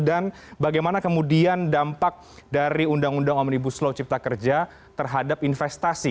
dan bagaimana kemudian dampak dari undang undang omnibus law ciptaker terhadap investasi